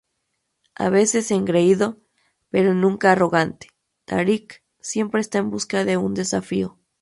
A veces engreído, pero nunca arrogante, Tariq siempre está en busca de un desafío.